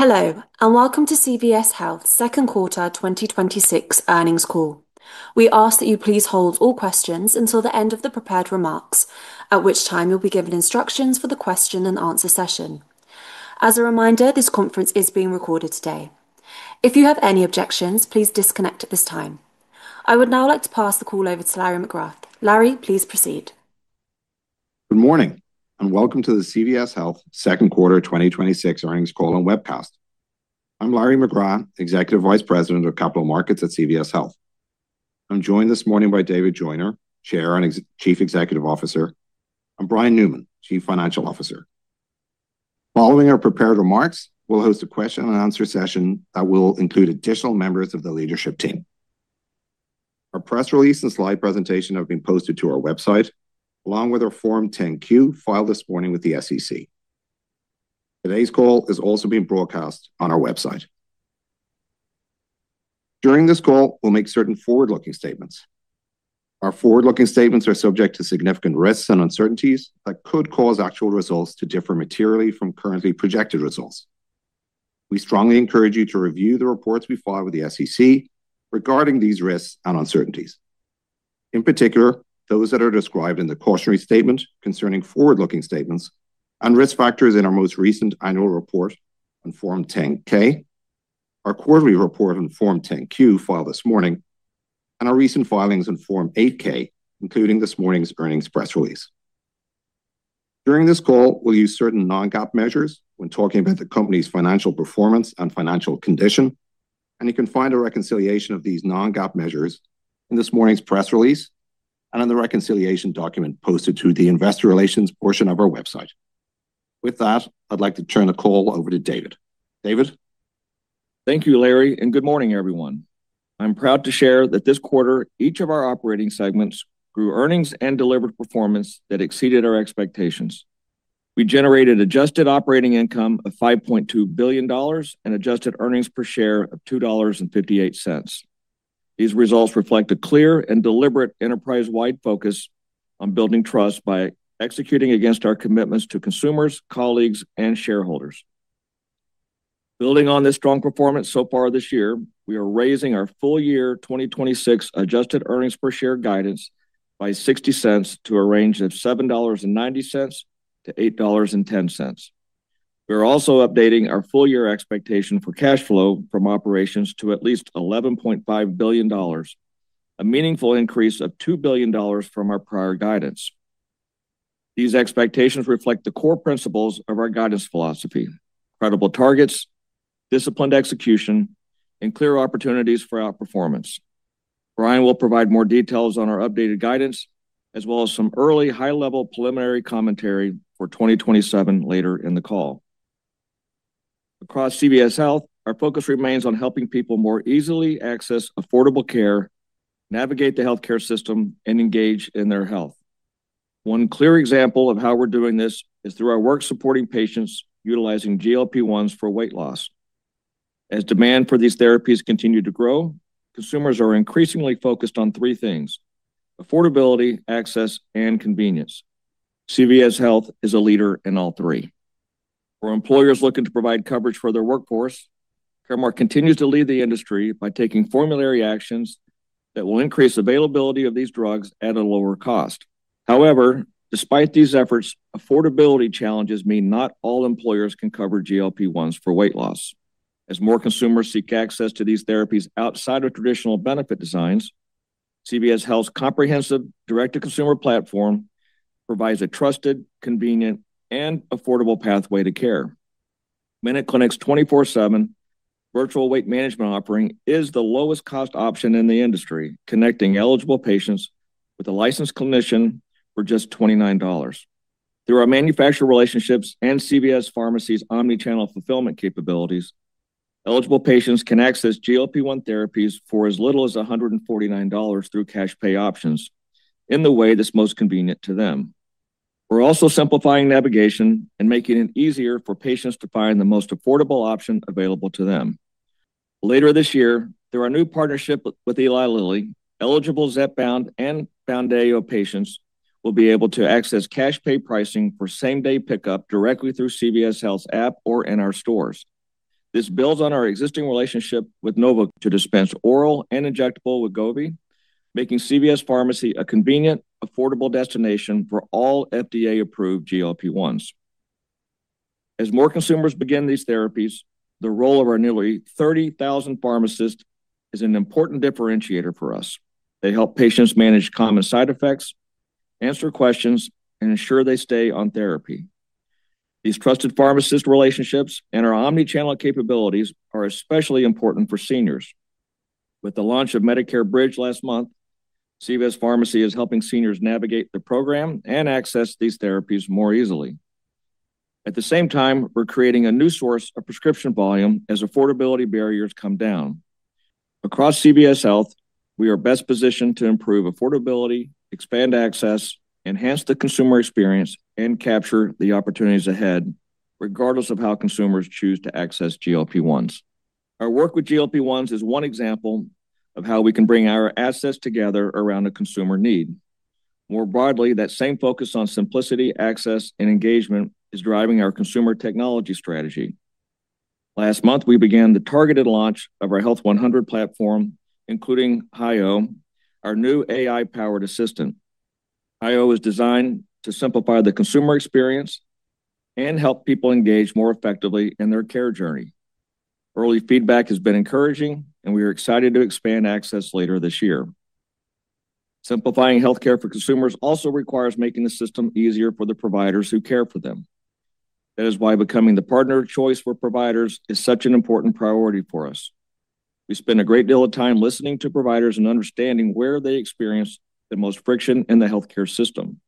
Hello, welcome to CVS Health second quarter 2026 earnings call. We ask that you please hold all questions until the end of the prepared remarks, at which time you'll be given instructions for the question-and-answer session. As a reminder, this conference is being recorded today. If you have any objections, please disconnect at this time. I would now like to pass the call over to Larry McGrath. Larry, please proceed. Good morning, welcome to the CVS Health second quarter 2026 earnings call and webcast. I'm Larry McGrath, Executive Vice President of Capital Markets at CVS Health. I'm joined this morning by David Joyner, Chair and Chief Executive Officer, and Brian Newman, Chief Financial Officer. Following our prepared remarks, we'll host a question-and-answer session that will include additional members of the leadership team. Our press release and slide presentation have been posted to our website, along with our Form 10-Q filed this morning with the SEC. Today's call is also being broadcast on our website. During this call, we'll make certain forward-looking statements. Our forward-looking statements are subject to significant risks and uncertainties that could cause actual results to differ materially from currently projected results. We strongly encourage you to review the reports we file with the SEC regarding these risks and uncertainties. In particular, those that are described in the cautionary statement concerning forward-looking statements and risk factors in our most recent annual report on Form 10-K, our quarterly report on Form 10-Q filed this morning, and our recent filings on Form 8-K, including this morning's earnings press release. During this call, we'll use certain non-GAAP measures when talking about the company's financial performance and financial condition, and you can find a reconciliation of these non-GAAP measures in this morning's press release and on the reconciliation document posted to the investor relations portion of our website. With that, I'd like to turn the call over to David. David? Thank you, Larry, good morning, e veryone. I'm proud to share that this quarter, each of our operating segments grew earnings and delivered performance that exceeded our expectations. We generated adjusted operating income of $5.2 billion and adjusted earnings per share of $2.58. These results reflect a clear and deliberate enterprise-wide focus on building trust by executing against our commitments to consumers, colleagues, and shareholders. Building on this strong performance so far this year, we are raising our full year 2026 adjusted earnings per share guidance by $0.60 to a range of $7.90 to-$8.10. We are also updating our full year expectation for cash flow from operations to at least $11.5 billion, a meaningful increase of $2 billion from our prior guidance. These expectations reflect the core principles of our guidance philosophy: credible targets, disciplined execution, and clear opportunities for outperformance. Brian will provide more details on our updated guidance, as well as some early high-level preliminary commentary for 2027 later in the call. Across CVS Health, our focus remains on helping people more easily access affordable care, navigate the healthcare system, and engage in their health. One clear example of how we're doing this is through our work supporting patients utilizing GLP-1s for weight loss. As demand for these therapies continue to grow, consumers are increasingly focused on three things: affordability, access, and convenience. CVS Health is a leader in all three. For employers looking to provide coverage for their workforce, Caremark continues to lead the industry by taking formulary actions that will increase availability of these drugs at a lower cost. However, despite these efforts, affordability challenges mean not all employers can cover GLP-1s for weight loss. As more consumers seek access to these therapies outside of traditional benefit designs, CVS Health's comprehensive direct-to-consumer platform provides a trusted, convenient, and affordable pathway to care. MinuteClinic's 24/7 virtual weight management offering is the lowest cost option in the industry, connecting eligible patients with a licensed clinician for just $29. Through our manufacturer relationships and CVS Pharmacy's omni-channel fulfillment capabilities, eligible patients can access GLP-1 therapies for as little as $149 through cash pay options in the way that's most convenient to them. We're also simplifying navigation and making it easier for patients to find the most affordable option available to them. Later this year, through our new partnership with Eli Lilly, eligible Zepbound and Mounjaro patients will be able to access cash pay pricing for same-day pickup directly through CVS Health's app or in our stores. This builds on our existing relationship with Novo to dispense oral and injectable Wegovy, making CVS Pharmacy a convenient, affordable destination for all FDA-approved GLP-1s. As more consumers begin these therapies, the role of our nearly 30,000 pharmacists is an important differentiator for us. They help patients manage common side effects, answer questions, and ensure they stay on therapy. These trusted pharmacist relationships and our omni-channel capabilities are especially important for seniors. With the launch of Medicare Bridge last month, CVS Pharmacy is helping seniors navigate the program and access these therapies more easily. At the same time, we're creating a new source of prescription volume as affordability barriers come down. Across CVS Health, we are best positioned to improve affordability, expand access, enhance the consumer experience, and capture the opportunities ahead regardless of how consumers choose to access GLP-1s. Our work with GLP-1s is one example of how we can bring our assets together around a consumer need. More broadly, that same focus on simplicity, access, and engagement is driving our consumer technology strategy. Last month, we began the targeted launch of our Health 100 platform, including HIO, our new AI-powered assistant. HIO is designed to simplify the consumer experience and help people engage more effectively in their care journey. Early feedback has been encouraging, and we are excited to expand access later this year. Simplifying healthcare for consumers also requires making the system easier for the providers who care for them. That is why becoming the partner of choice for providers is such an important priority for us. We spend a great deal of time listening to providers and understanding where they experience the most friction in the healthcare system.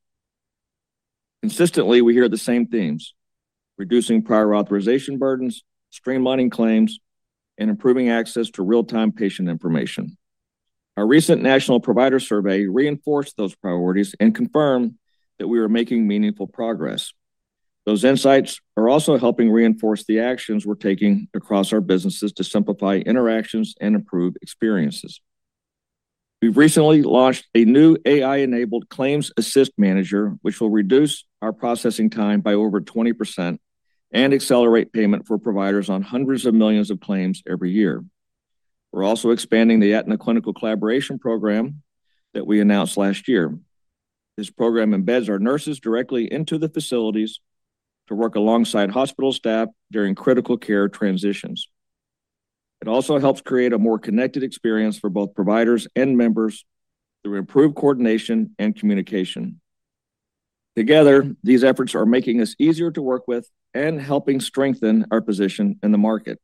Consistently, we hear the same themes: reducing prior authorization burdens, streamlining claims, and improving access to real-time patient information. Our recent national provider survey reinforced those priorities and confirmed that we are making meaningful progress. Those insights are also helping reinforce the actions we're taking across our businesses to simplify interactions and improve experiences. We've recently launched a new AI-enabled Claims Assist Manager, which will reduce our processing time by over 20% and accelerate payment for providers on hundreds of millions of claims every year. We're also expanding the Aetna Clinical Collaboration Program that we announced last year. This program embeds our nurses directly into the facilities to work alongside hospital staff during critical care transitions. It also helps create a more connected experience for both providers and members through improved coordination and communication. Together, these efforts are making us easier to work with and helping strengthen our position in the market.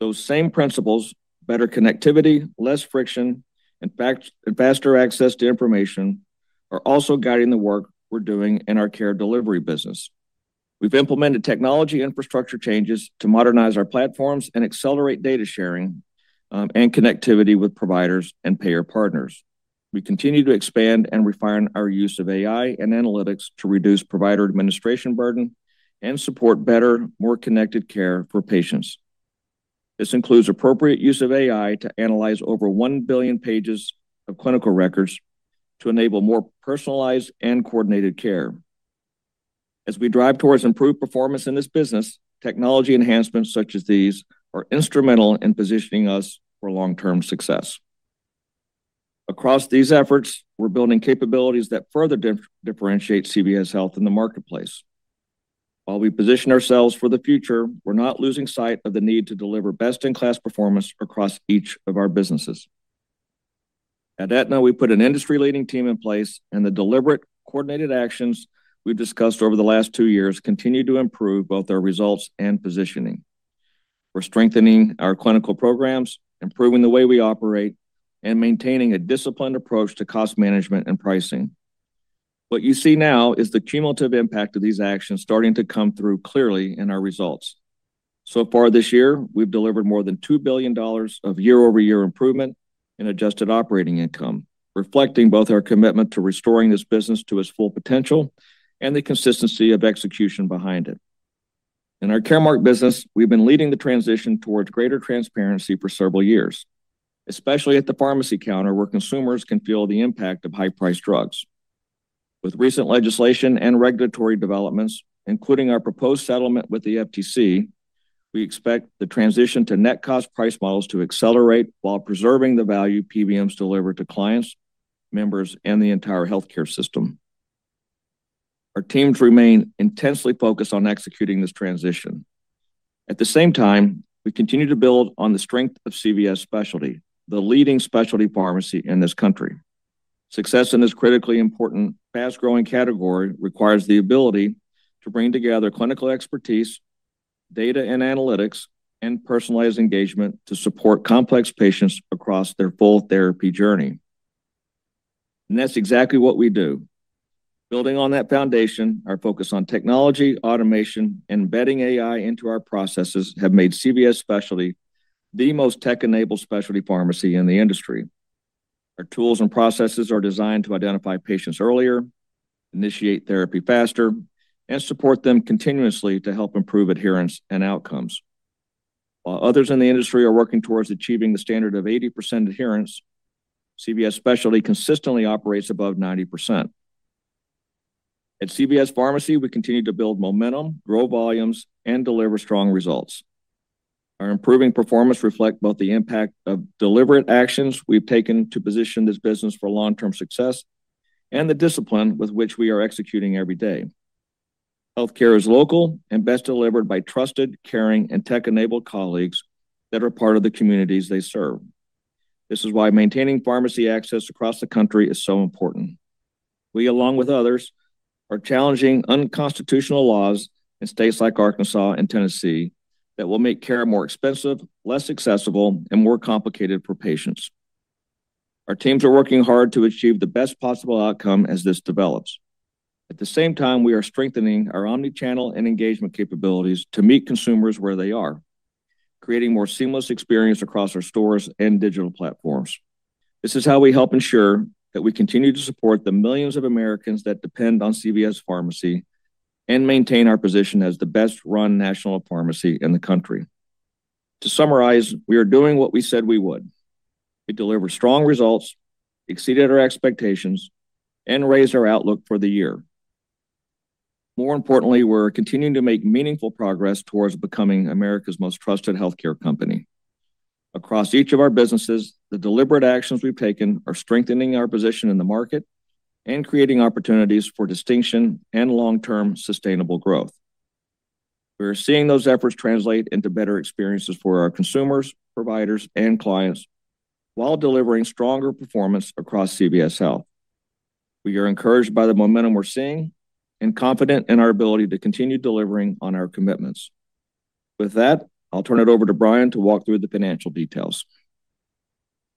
Those same principles, better connectivity, less friction, and faster access to information, are also guiding the work we're doing in our care delivery business. We've implemented technology infrastructure changes to modernize our platforms and accelerate data sharing, and connectivity with providers and payer partners. We continue to expand and refine our use of AI and analytics to reduce provider administration burden and support better, more connected care for patients. This includes appropriate use of AI to analyze over 1 billion pages of clinical records to enable more personalized and coordinated care. As we drive towards improved performance in this business, technology enhancements such as these are instrumental in positioning us for long-term success. Across these efforts, we're building capabilities that further differentiate CVS Health in the marketplace. While we position ourselves for the future, we're not losing sight of the need to deliver best-in-class performance across each of our businesses. At Aetna, we put an industry-leading team in place, and the deliberate, coordinated actions we've discussed over the last two years continue to improve both our results and positioning. We're strengthening our clinical programs, improving the way we operate, and maintaining a disciplined approach to cost management and pricing. What you see now is the cumulative impact of these actions starting to come through clearly in our results. So far this year, we've delivered more than $2 billion of year-over-year improvement in adjusted operating income, reflecting both our commitment to restoring this business to its full potential and the consistency of execution behind it. In our Caremark business, we've been leading the transition towards greater transparency for several years, especially at the pharmacy counter, where consumers can feel the impact of high-priced drugs. With recent legislation and regulatory developments, including our proposed settlement with the FTC, we expect the transition to net cost price models to accelerate while preserving the value PBMs deliver to clients, members, and the entire healthcare system. Our teams remain intensely focused on executing this transition. At the same time, we continue to build on the strength of CVS Specialty, the leading specialty pharmacy in this country. Success in this critically important, fast-growing category requires the ability to bring together clinical expertise, data and analytics, and personalized engagement to support complex patients across their full therapy journey. That's exactly what we do. Building on that foundation, our focus on technology, automation, and embedding AI into our processes have made CVS Specialty the most tech-enabled specialty pharmacy in the industry. Our tools and processes are designed to identify patients earlier, initiate therapy faster, and support them continuously to help improve adherence and outcomes. While others in the industry are working towards achieving the standard of 80% adherence, CVS Specialty consistently operates above 90%. At CVS Pharmacy, we continue to build momentum, grow volumes, and deliver strong results. Our improving performance reflect both the impact of deliberate actions we've taken to position this business for long-term success and the discipline with which we are executing every day. Healthcare is local and best delivered by trusted, caring, and tech-enabled colleagues that are part of the communities they serve. This is why maintaining pharmacy access across the country is so important. We, along with others, are challenging unconstitutional laws in states like Arkansas and Tennessee that will make care more expensive, less accessible, and more complicated for patients. Our teams are working hard to achieve the best possible outcome as this develops. At the same time, we are strengthening our omni-channel and engagement capabilities to meet consumers where they are, creating more seamless experience across our stores and digital platforms. This is how we help ensure that we continue to support the millions of Americans that depend on CVS Pharmacy and maintain our position as the best-run national pharmacy in the country. To summarize, we are doing what we said we would. We delivered strong results, exceeded our expectations, and raised our outlook for the year. More importantly, we're continuing to make meaningful progress towards becoming America's most trusted healthcare company. Across each of our businesses, the deliberate actions we've taken are strengthening our position in the market and creating opportunities for distinction and long-term sustainable growth. We are seeing those efforts translate into better experiences for our consumers, providers, and clients, while delivering stronger performance across CVS Health. We are encouraged by the momentum we're seeing and confident in our ability to continue delivering on our commitments. With that, I'll turn it over to Brian to walk through the financial details.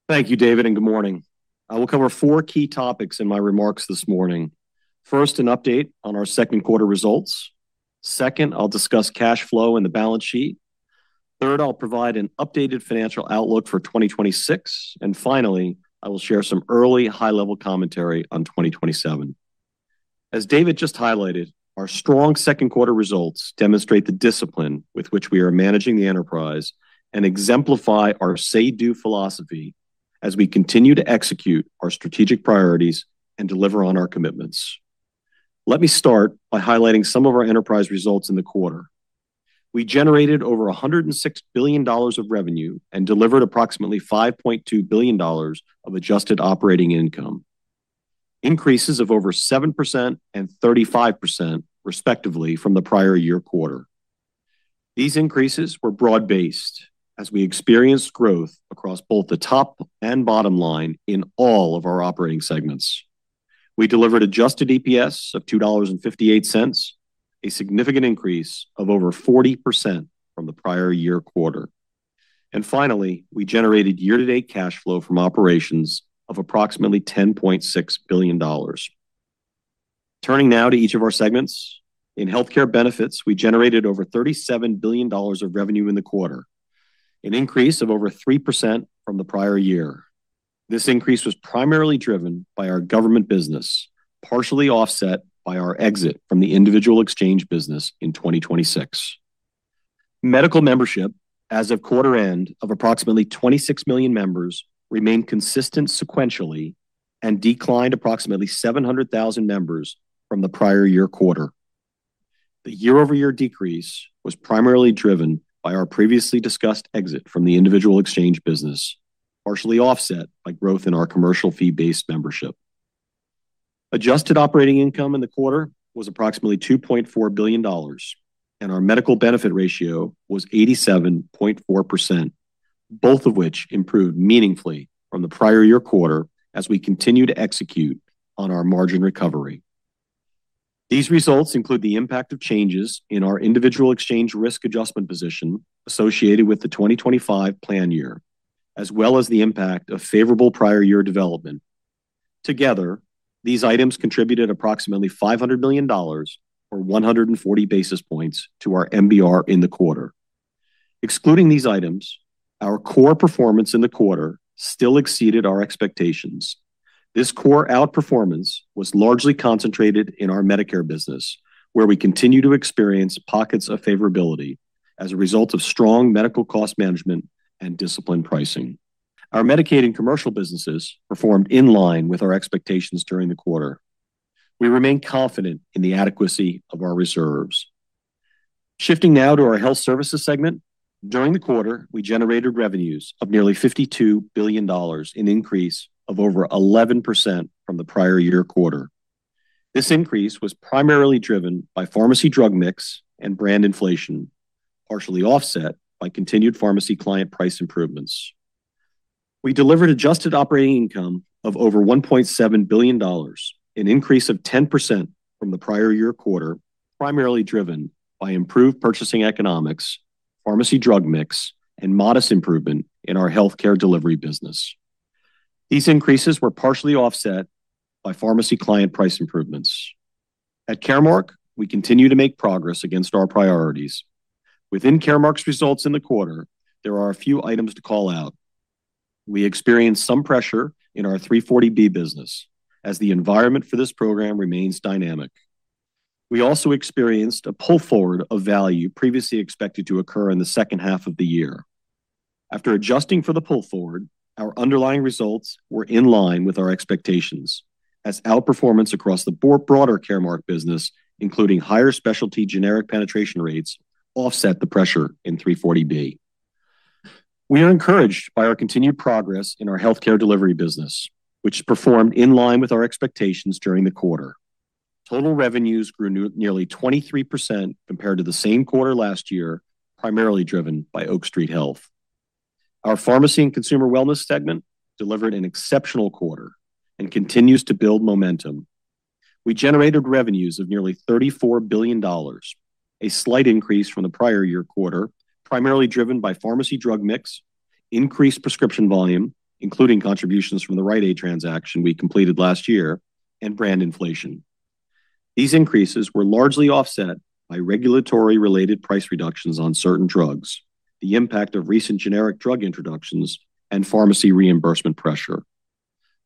Thank you, David, and good morning. I will cover four key topics in my remarks this morning. First, an update on our second quarter results. Second, I'll discuss cash flow and the balance sheet. Third, I'll provide an updated financial outlook for 2026. Finally, I will share some early high-level commentary on 2027. As David just highlighted, our strong second quarter results demonstrate the discipline with which we are managing the enterprise and exemplify our say-do philosophy as we continue to execute our strategic priorities and deliver on our commitments. Let me start by highlighting some of our enterprise results in the quarter. We generated over $106 billion of revenue and delivered approximately $5.2 billion of adjusted operating income, increases of over 7% and 35% respectively from the prior year quarter. These increases were broad-based as we experienced growth across both the top and bottom line in all of our operating segments. We delivered adjusted EPS of $2.58, a significant increase of over 40% from the prior year quarter. Finally, we generated year-to-date cash flow from operations of approximately $10.6 billion. Turning now to each of our segments. In healthcare benefits, we generated over $37 billion of revenue in the quarter, an increase of over 3% from the prior year. This increase was primarily driven by our government business, partially offset by our exit from the individual exchange business in 2026. Medical membership, as of quarter end of approximately 26 million members, remained consistent sequentially and declined approximately 700,000 members from the prior year quarter. The year-over-year decrease was primarily driven by our previously discussed exit from the individual exchange business, partially offset by growth in our commercial fee-based membership. Adjusted operating income in the quarter was approximately $2.4 billion, our medical benefit ratio was 87.4%, both of which improved meaningfully from the prior year quarter as we continue to execute on our margin recovery. These results include the impact of changes in our individual exchange risk adjustment position associated with the 2025 plan year, as well as the impact of favorable prior year development. Together, these items contributed approximately $500 million or 140 basis points to our MBR in the quarter. Excluding these items, our core performance in the quarter still exceeded our expectations. This core outperformance was largely concentrated in our Medicare business, where we continue to experience pockets of favorability as a result of strong medical cost management and disciplined pricing. Our Medicaid and commercial businesses performed in line with our expectations during the quarter. We remain confident in the adequacy of our reserves. Shifting now to our Health Services Segment. During the quarter, we generated revenues of nearly $52 billion, an increase of over 11% from the prior year quarter. This increase was primarily driven by pharmacy drug mix and brand inflation, partially offset by continued pharmacy client price improvements. We delivered adjusted operating income of over $1.7 billion, an increase of 10% from the prior year quarter, primarily driven by improved purchasing economics, pharmacy drug mix, and modest improvement in our healthcare delivery business. These increases were partially offset by pharmacy client price improvements. At Caremark, we continue to make progress against our priorities. Within Caremark’s results in the quarter, there are a few items to call out. We experienced some pressure in our 340B business as the environment for this program remains dynamic. We also experienced a pull forward of value previously expected to occur in the second half of the year. After adjusting for the pull forward, our underlying results were in line with our expectations as outperformance across the broader Caremark business, including higher specialty generic penetration rates, offset the pressure in 340B. We are encouraged by our continued progress in our healthcare delivery business, which performed in line with our expectations during the quarter. Total revenues grew nearly 23% compared to the same quarter last year, primarily driven by Oak Street Health. Our Pharmacy and Consumer Wellness Segment delivered an exceptional quarter and continues to build momentum. We generated revenues of nearly $34 billion, a slight increase from the prior year quarter, primarily driven by pharmacy drug mix, increased prescription volume, including contributions from the Rite Aid transaction we completed last year, brand inflation. These increases were largely offset by regulatory-related price reductions on certain drugs, the impact of recent generic drug introductions, and pharmacy reimbursement pressure.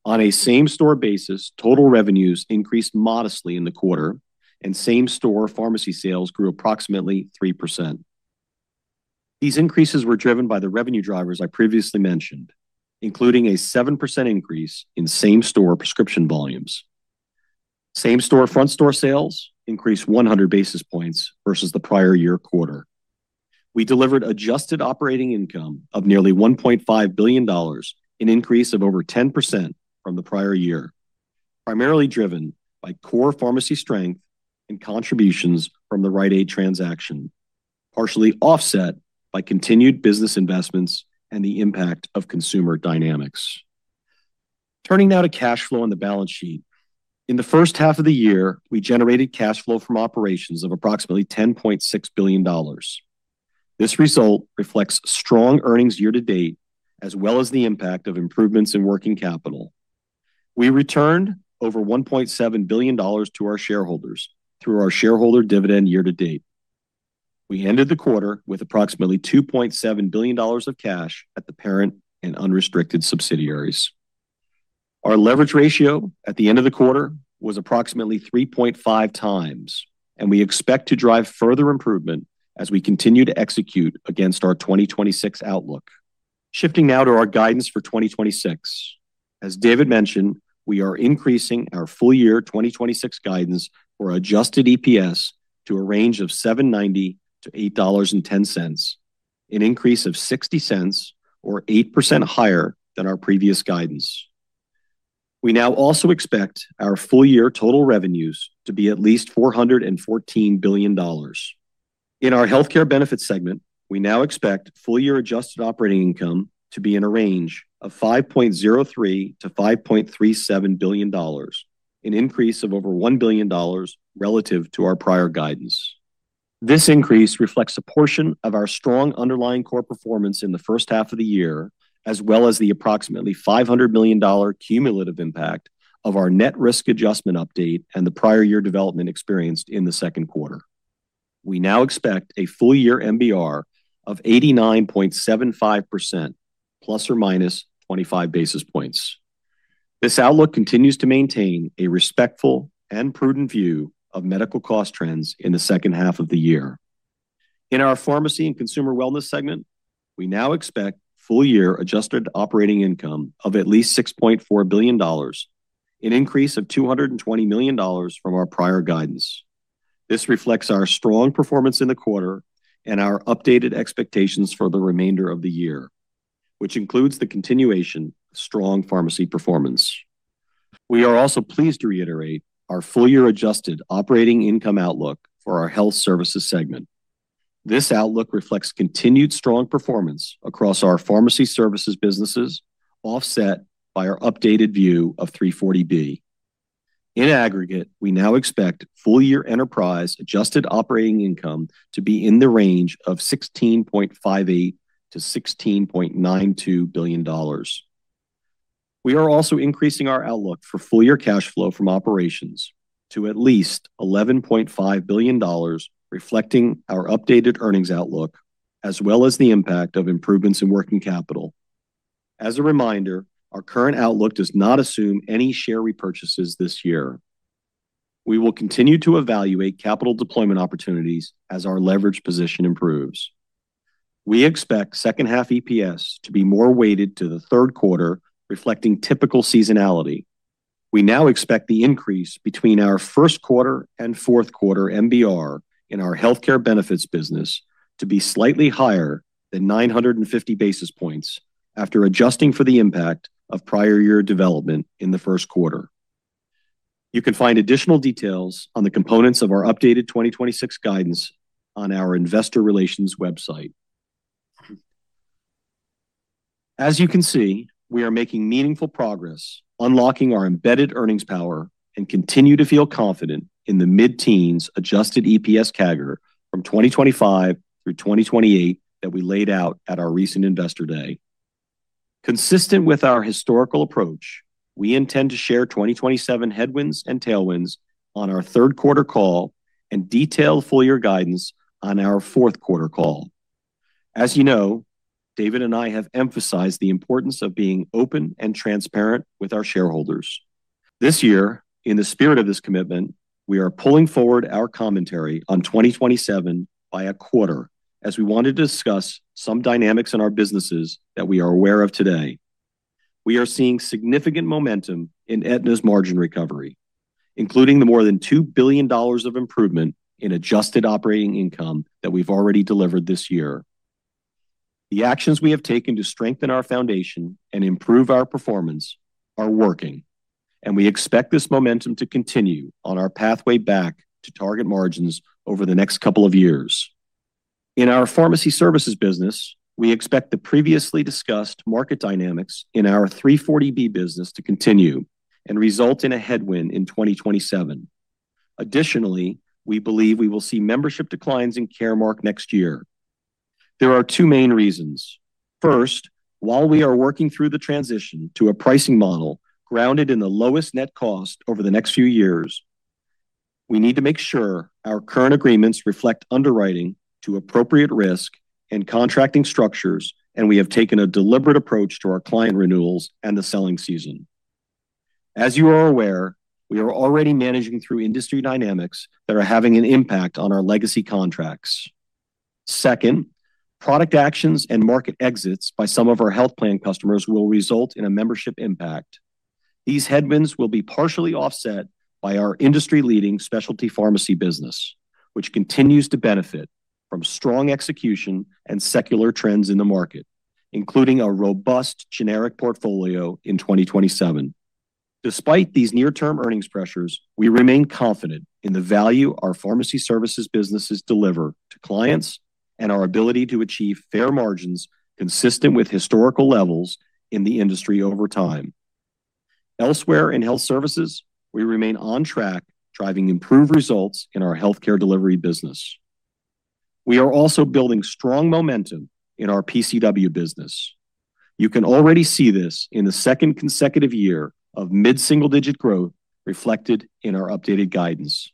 On a same-store basis, total revenues increased modestly in the quarter, and same-store pharmacy sales grew approximately 3%. These increases were driven by the revenue drivers I previously mentioned, including a 7% increase in same-store prescription volumes. Same-store front-store sales increased 100 basis points versus the prior year quarter. We delivered adjusted operating income of nearly $1.5 billion, an increase of over 10% from the prior year, primarily driven by core pharmacy strength and contributions from the Rite Aid transaction, partially offset by continued business investments and the impact of consumer dynamics. Turning now to cash flow on the balance sheet. In the first half of the year, we generated cash flow from operations of approximately $10.6 billion. This result reflects strong earnings year-to-date, as well as the impact of improvements in working capital. We returned over $1.7 billion to our shareholders through our shareholder dividend year-to-date. We ended the quarter with approximately $2.7 billion of cash at the parent and unrestricted subsidiaries. Our leverage ratio at the end of the quarter was approximately 3.5x, and we expect to drive further improvement as we continue to execute against our 2026 outlook. Shifting now to our guidance for 2026. As David mentioned, we are increasing our full year 2026 guidance for adjusted EPS to a range of $7.90-$8.10, an increase of $0.60 or 8% higher than our previous guidance. We now also expect our full year total revenues to be at least $414 billion. In our Health Benefits segment, we now expect full-year adjusted operating income to be in a range of $5.03 billion-$5.37 billion, an increase of over $1 billion relative to our prior guidance. This increase reflects a portion of our strong underlying core performance in the first half of the year, as well as the approximately $500 million cumulative impact of our net risk adjustment update and the prior year development experienced in the second quarter. We now expect a full year MBR of 89.75%, ±25 basis points. This outlook continues to maintain a respectful and prudent view of medical cost trends in the second half of the year. In our Pharmacy and Consumer Wellness segment, we now expect full-year adjusted operating income of at least $6.4 billion, an increase of $220 million from our prior guidance. This reflects our strong performance in the quarter and our updated expectations for the remainder of the year, which includes the continuation of strong pharmacy performance. We are also pleased to reiterate our full-year adjusted operating income outlook for our Health Services Segment. This outlook reflects continued strong performance across our pharmacy services businesses, offset by our updated view of 340B. In aggregate, we now expect full-year enterprise adjusted operating income to be in the range of $16.58 billion-$16.92 billion. We are also increasing our outlook for full-year cash flow from operations to at least $11.5 billion, reflecting our updated earnings outlook, as well as the impact of improvements in working capital. As a reminder, our current outlook does not assume any share repurchases this year. We will continue to evaluate capital deployment opportunities as our leverage position improves. We expect second half EPS to be more weighted to the third quarter, reflecting typical seasonality. We now expect the increase between our first quarter and fourth quarter MBR in our healthcare benefits business to be slightly higher than 950 basis points after adjusting for the impact of prior year development in the first quarter. You can find additional details on the components of our updated 2026 guidance on our investor relations website. As you can see, we are making meaningful progress unlocking our embedded earnings power and continue to feel confident in the mid-teens adjusted EPS CAGR from 2025 through 2028 that we laid out at our recent investor day. Consistent with our historical approach, we intend to share 2027 headwinds and tailwinds on our third quarter call and detail full year guidance on our fourth quarter call. As you know, David and I have emphasized the importance of being open and transparent with our shareholders. This year, in the spirit of this commitment, we are pulling forward our commentary on 2027 by a quarter as we wanted to discuss some dynamics in our businesses that we are aware of today. We are seeing significant momentum in Aetna's margin recovery, including the more than $2 billion of improvement in adjusted operating income that we've already delivered this year. The actions we have taken to strengthen our foundation and improve our performance are working, and we expect this momentum to continue on our pathway back to target margins over the next couple of years. In our pharmacy services business, we expect the previously discussed market dynamics in our 340B business to continue and result in a headwind in 2027. Additionally, we believe we will see membership declines in Caremark next year. There are two main reasons. First, while we are working through the transition to a pricing model grounded in the lowest net cost over the next few years. We need to make sure our current agreements reflect underwriting to appropriate risk and contracting structures, and we have taken a deliberate approach to our client renewals and the selling season. As you are aware, we are already managing through industry dynamics that are having an impact on our legacy contracts. Second, product actions and market exits by some of our health plan customers will result in a membership impact. These headwinds will be partially offset by our industry-leading specialty pharmacy business, which continues to benefit from strong execution and secular trends in the market, including a robust generic portfolio in 2027. Despite these near-term earnings pressures, we remain confident in the value our pharmacy services businesses deliver to clients and our ability to achieve fair margins consistent with historical levels in the industry over time. Elsewhere in health services, we remain on track, driving improved results in our healthcare delivery business. We are also building strong momentum in our PCW business. You can already see this in the second consecutive year of mid-single-digit growth reflected in our updated guidance.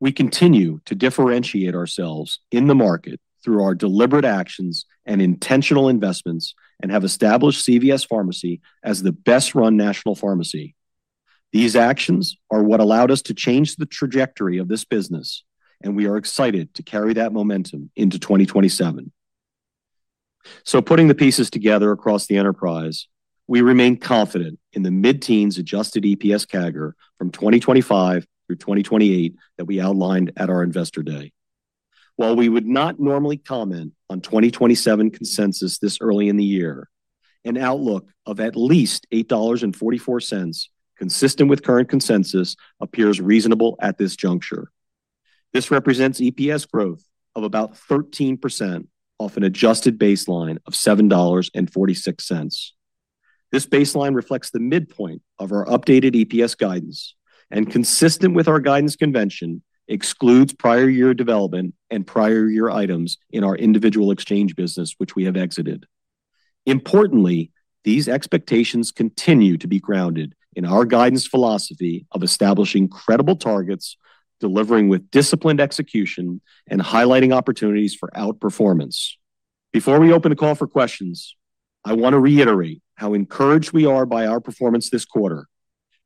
We continue to differentiate ourselves in the market through our deliberate actions and intentional investments and have established CVS Pharmacy as the best-run national pharmacy. These actions are what allowed us to change the trajectory of this business, and we are excited to carry that momentum into 2027. Putting the pieces together across the enterprise, we remain confident in the mid-teens adjusted EPS CAGR from 2025 through 2028 that we outlined at our investor day. While we would not normally comment on 2027 consensus this early in the year, an outlook of at least $8.44 consistent with current consensus appears reasonable at this juncture. This represents EPS growth of about 13% off an adjusted baseline of $7.46. This baseline reflects the midpoint of our updated EPS guidance and, consistent with our guidance convention, excludes prior year development and prior year items in our individual exchange business, which we have exited. Importantly, these expectations continue to be grounded in our guidance philosophy of establishing credible targets, delivering with disciplined execution, and highlighting opportunities for outperformance. Before we open the call for questions, I want to reiterate how encouraged we are by our performance this quarter.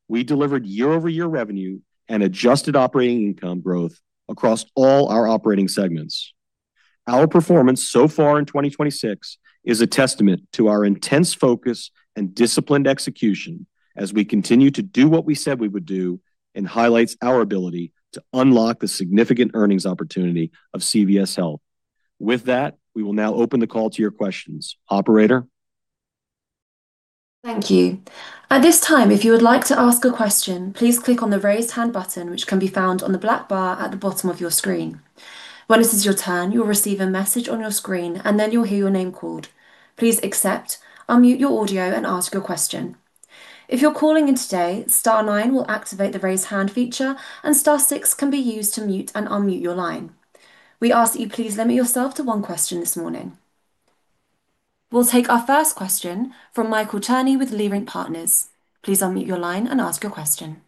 We delivered year-over-year revenue and adjusted operating income growth across all our operating segments. Our performance so far in 2026 is a testament to our intense focus and disciplined execution as we continue to do what we said we would do and highlights our ability to unlock the significant earnings opportunity of CVS Health. With that, we will now open the call to your questions. Operator? Thank you. At this time, if you would like to ask a question, please click on the Raise Hand button, which can be found on the black bar at the bottom of your screen. When it is your turn, you'll receive a message on your screen, you'll hear your name called. Please accept, unmute your audio, and ask your question. If you're calling in today, star nine will activate the raise hand feature, and star six can be used to mute and unmute your line. We ask that you please limit yourself to one question this morning. We'll take our first question from Michael Cherny with Leerink Partners. Please unmute your line and ask your question.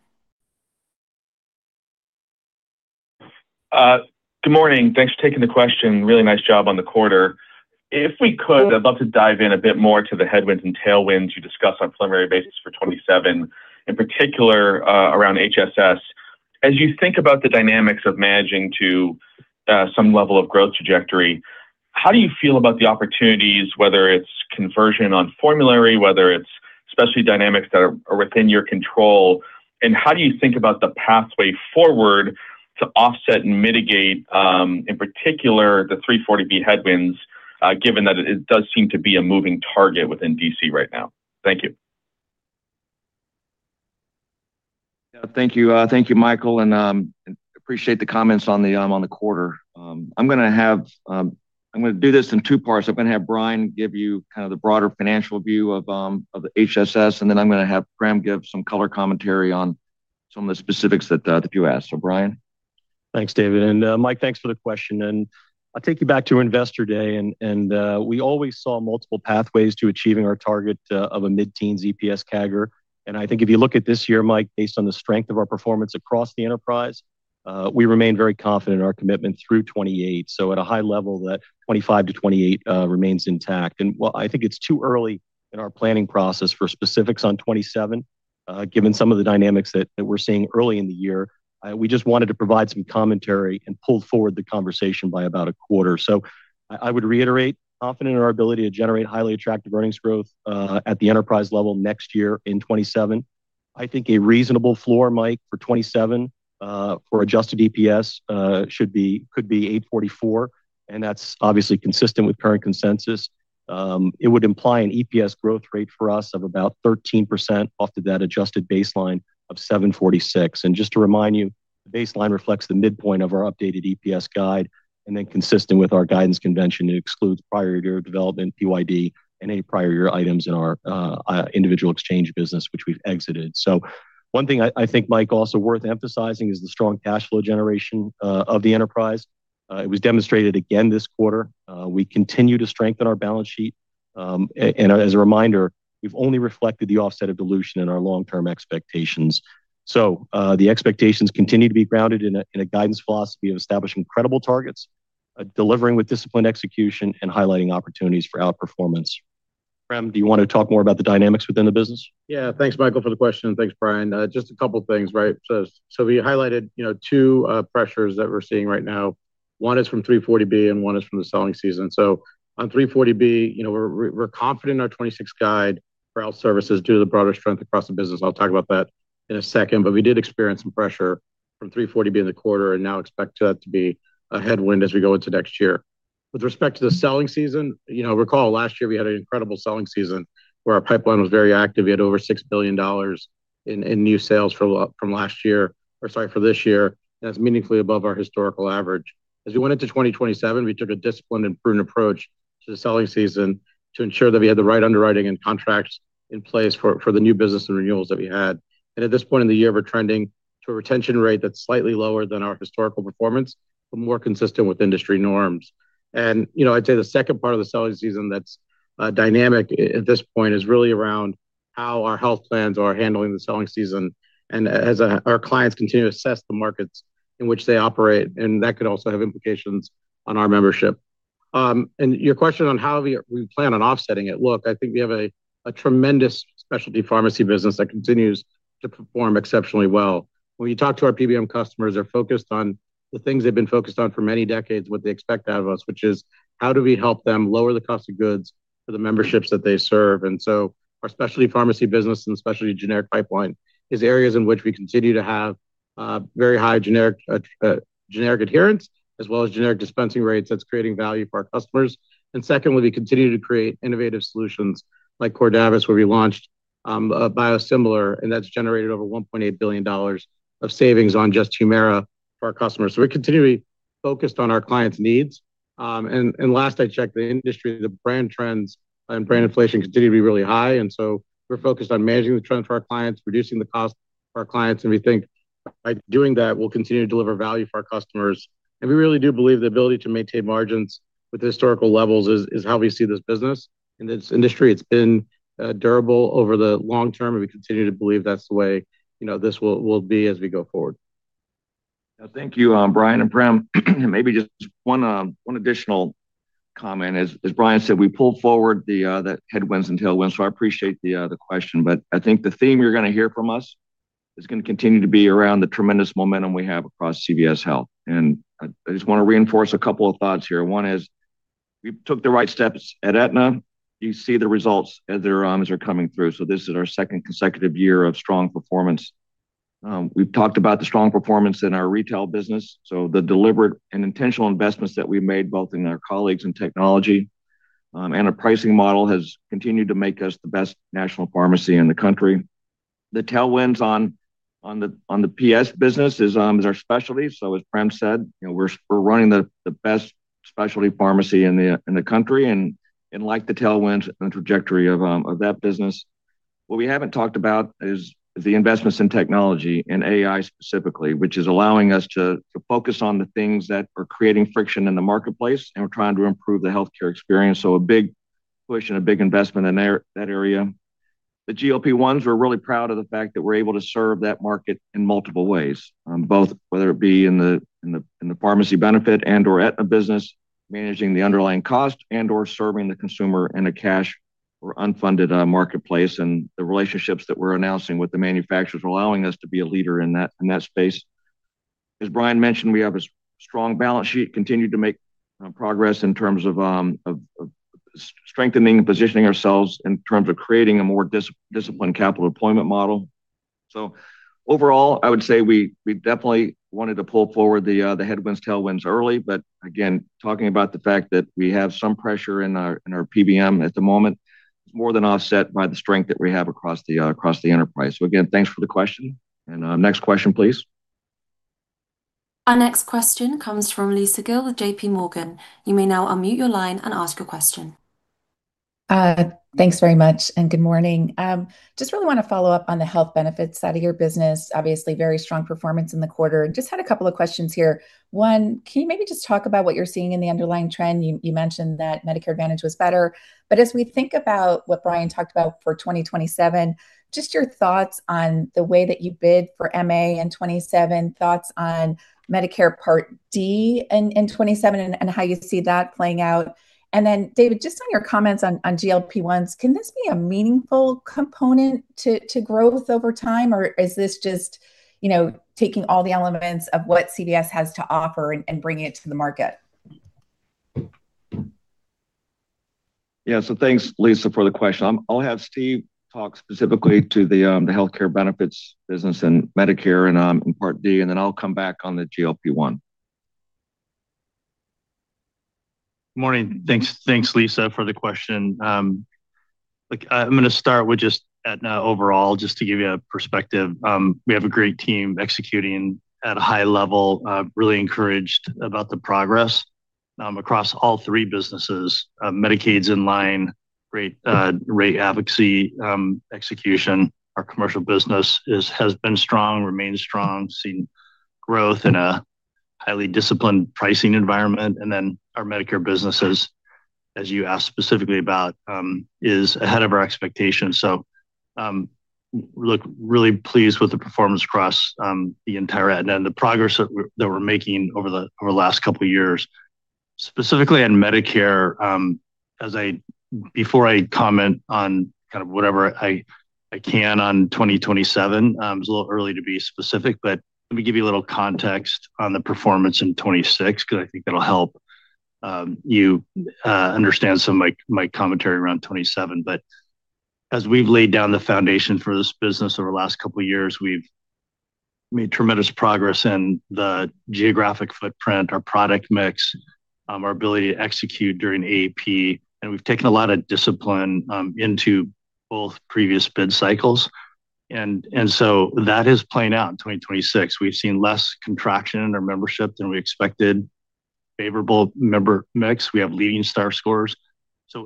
Good morning. Thanks for taking the question. Really nice job on the quarter. If we could, I'd love to dive in a bit more to the headwinds and tailwinds you discussed on a preliminary basis for 2027, in particular, around HSS. As you think about the dynamics of managing to some level of growth trajectory, how do you feel about the opportunities, whether it's conversion on formulary, whether it's specialty dynamics that are within your control? How do you think about the pathway forward to offset and mitigate, in particular, the 340B headwinds, given that it does seem to be a moving target within D.C. right now? Thank you. Thank you. Thank you, Michael, and appreciate the comments on the quarter. I'm going to do this in two parts. I'm going to have Brian give you the broader financial view of the HSS, and then I'm going to have Brian give some color commentary on some of the specifics that you asked. Brian? Thanks, David, and Mike, thanks for the question. I'll take you back to Investor Day. We always saw multiple pathways to achieving our target of a mid-teens EPS CAGR. I think if you look at this year, Mike, based on the strength of our performance across the enterprise, we remain very confident in our commitment through 2028. At a high level, that 2025 to 2028 remains intact. While I think it's too early in our planning process for specifics on 2027, given some of the dynamics that we're seeing early in the year, we just wanted to provide some commentary and pull forward the conversation by about a quarter. I would reiterate, confident in our ability to generate highly attractive earnings growth, at the enterprise level next year in 2027. I think a reasonable floor, Mike, for 2027, for adjusted EPS, could be 844, and that's obviously consistent with current consensus. It would imply an EPS growth rate for us of about 13% off of that adjusted baseline of 746. Just to remind you, the baseline reflects the midpoint of our updated EPS guide and then consistent with our guidance convention, it excludes prior year development, PYD, and any prior year items in our individual exchange business, which we've exited. One thing I think, Mike, also worth emphasizing is the strong cash flow generation of the enterprise. It was demonstrated again this quarter. We continue to strengthen our balance sheet. As a reminder, we've only reflected the offset of dilution in our long-term expectations. The expectations continue to be grounded in a guidance philosophy of establishing credible targets, delivering with disciplined execution, and highlighting opportunities for outperformance. Prem, do you want to talk more about the dynamics within the business? Yeah. Thanks, Michael, for the question, and thanks, Brian. Just a couple things, right? We highlighted two pressures that we're seeing right now. One is from 340B and one is from the selling season. On 340B, we're confident in our 2026 guide for our services due to the broader strength across the business. I'll talk about that in a second. We did experience some pressure from 340B in the quarter and now expect that to be a headwind as we go into next year. With respect to the selling season, recall last year, we had an incredible selling season where our pipeline was very active. We had over $6 billion in new sales from last year, or sorry, for this year, and that's meaningfully above our historical average. As we went into 2027, we took a disciplined and prudent approach to the selling season to ensure that we had the right underwriting and contracts in place for the new business and renewals that we had. At this point in the year, we're trending to a retention rate that's slightly lower than our historical performance, but more consistent with industry norms. I'd say the second part of the selling season that's dynamic at this point is really around how our health plans are handling the selling season and as our clients continue to assess the markets in which they operate, and that could also have implications on our membership. Your question on how we plan on offsetting it, look, I think we have a tremendous specialty pharmacy business that continues to perform exceptionally well. When you talk to our PBM customers, they're focused on the things they've been focused on for many decades, what they expect out of us, which is how do we help them lower the cost of goods for the memberships that they serve. Our specialty pharmacy business and specialty generic pipeline is areas in which we continue to have very high generic adherence as well as generic dispensing rates that's creating value for our customers. Secondly, we continue to create innovative solutions like Cordavis, where we launched a biosimilar, and that's generated over $1.8 billion of savings on just HUMIRA for our customers. We're continually focused on our clients' needs. Last I checked, the industry, the brand trends, and brand inflation continue to be really high. We're focused on managing the trend for our clients, reducing the cost for our clients, and we think by doing that, we'll continue to deliver value for our customers. We really do believe the ability to maintain margins with historical levels is how we see this business. In this industry, it's been durable over the long term, and we continue to believe that's the way this will be as we go forward. Thank you, Brian and Prem. Maybe just one additional comment. As Brian said, we pulled forward the headwinds and tailwinds, so I appreciate the other question, but I think the theme you're going to hear from us is going to continue to be around the tremendous momentum we have across CVS Health. I just want to reinforce a couple of thoughts here. One is we took the right steps at Aetna. You see the results as they're coming through. This is our second consecutive year of strong performance. We've talked about the strong performance in our retail business, so the deliberate and intentional investments that we've made, both in our colleagues and technology, and our pricing model has continued to make us the best national pharmacy in the country. The tailwinds on the PS business is our specialty. As Prem said, we're running the best specialty pharmacy in the country. The tailwinds and the trajectory of that business, what we haven't talked about is the investments in technology and AI specifically, which is allowing us to focus on the things that are creating friction in the marketplace, and we're trying to improve the healthcare experience. A big push and a big investment in that area. The GLP-1s, we're really proud of the fact that we're able to serve that market in multiple ways, both whether it be in the pharmacy benefit and or at a business, managing the underlying cost and or serving the consumer in a cash or unfunded marketplace, the relationships that we're announcing with the manufacturers are allowing us to be a leader in that space. As Brian mentioned, we have a strong balance sheet, continue to make progress in terms of strengthening and positioning ourselves in terms of creating a more disciplined capital deployment model. Overall, I would say we definitely wanted to pull forward the headwinds, tailwinds early. Again, talking about the fact that we have some pressure in our PBM at the moment, it's more than offset by the strength that we have across the enterprise. Again, thanks for the question. Next question, please. Our next question comes from Lisa Gill with JPMorgan. You may now unmute your line and ask your question. Thanks very much and good morning. Just really want to follow up on the health benefits side of your business. Obviously, very strong performance in the quarter. Just had a couple of questions here. One, can you maybe just talk about what you're seeing in the underlying trend? You mentioned that Medicare Advantage was better, but as we think about what Brian talked about for 2027, just your thoughts on the way that you bid for MA in 2027, thoughts on Medicare Part D in 2027 and how you see that playing out. Then David, just on your comments on GLP-1s, can this be a meaningful component to growth over time, or is this just taking all the elements of what CVS has to offer and bringing it to the market? Thanks, Lisa, for the question. I'll have Steve talk specifically to the healthcare benefits business and Medicare and Part D, and then I'll come back on the GLP-1. Morning. Thanks, Lisa, for the question. I'm going to start with just Aetna overall, just to give you a perspective. We have a great team executing at a high level. Really encouraged about the progress across all three businesses. Medicaid is in line, great advocacy execution. Our commercial business has been strong, remains strong, seeing growth in a highly disciplined pricing environment, and then our Medicare business, as you asked specifically about, is ahead of our expectations. Really pleased with the performance across the entire Aetna and the progress that we're making over the last couple of years. Specifically on Medicare, before I comment on whatever I can on 2027, it's a little early to be specific, but let me give you a little context on the performance in 2026, because I think that'll help you understand some of my commentary around 2027. As we've laid down the foundation for this business over the last couple of years, we've made tremendous progress in the geographic footprint, our product mix, our ability to execute during AEP, and we've taken a lot of discipline into both previous bid cycles. That is playing out in 2026. We've seen less contraction in our membership than we expected, favorable member mix. We have leading STARS scores.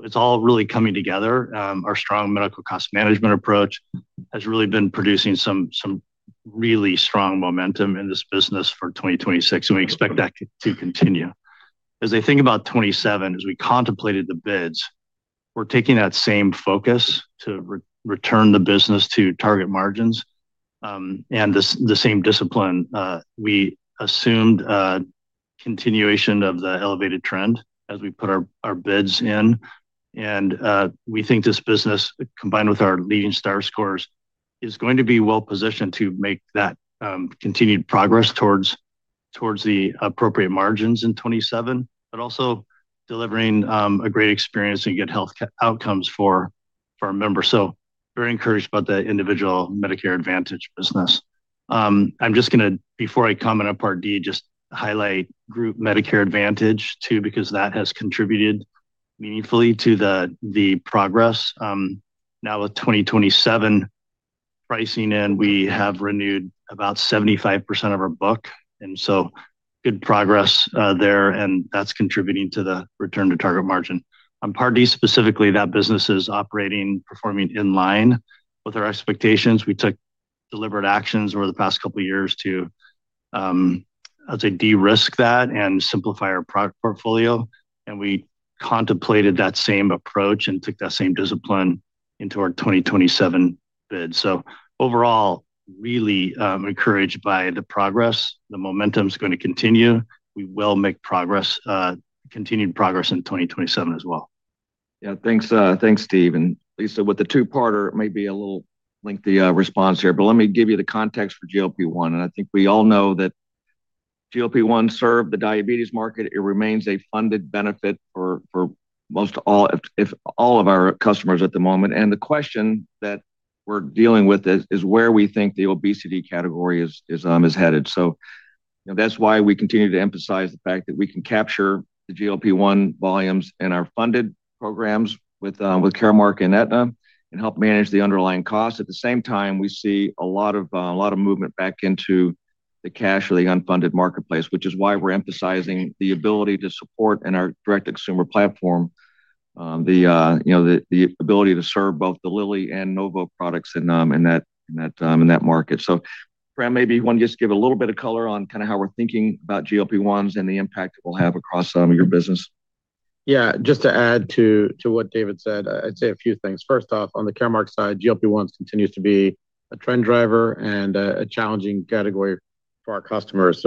It's all really coming together. Our strong medical cost management approach has really been producing some really strong momentum in this business for 2026, and we expect that to continue. As I think about 2027, as we contemplated the bids, we're taking that same focus to return the business to target margins, and the same discipline. We assumed a continuation of the elevated trend as we put our bids in. We think this business, combined with our leading STARS scores, is going to be well positioned to make that continued progress towards the appropriate margins in 2027, but also delivering a great experience and good health outcomes for our members. Very encouraged about the individual Medicare Advantage business. Before I comment on Part D, just highlight group Medicare Advantage too, because that has contributed meaningfully to the progress. With 2027 pricing in, we have renewed about 75% of our book, good progress there, and that's contributing to the return to target margin. On Part D specifically, that business is operating, performing in line with our expectations. We took deliberate actions over the past couple of years to, I'd say, de-risk that and simplify our product portfolio. We contemplated that same approach and took that same discipline into our 2027 bid. Overall, really encouraged by the progress. The momentum's going to continue. We will make continued progress in 2027 as well. Yeah. Thanks Steve. Lisa, with the two-parter, it may be a little lengthy response here, but let me give you the context for GLP-1. I think we all know that GLP-1 served the diabetes market. It remains a funded benefit for most all, if all of our customers at the moment. The question that we're dealing with is where we think the obesity category is headed. That's why we continue to emphasize the fact that we can capture the GLP-1 volumes in our funded programs with Caremark and Aetna and help manage the underlying cost. At the same time, we see a lot of movement back into the cash or the unfunded marketplace, which is why we're emphasizing the ability to support in our direct consumer platform, the ability to serve both the Lilly and Novo products in that market. Prem, maybe you want to just give a little bit of color on how we're thinking about GLP-1s and the impact it will have across some of your business. Yeah, just to add to what David said, I'd say a few things. First off, on the Caremark side, GLP-1s continues to be a trend driver and a challenging category for our customers.